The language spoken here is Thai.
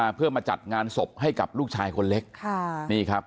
อายุ๑๐ปีนะฮะเขาบอกว่าเขาก็เห็นถูกยิงนะครับ